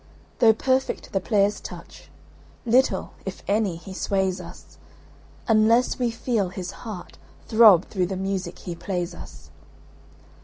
Though perfect the player's touch, little, if any, he sways us, Unless we feel his heart throb through the music he plays us.